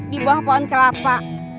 di bawah pohon kelapa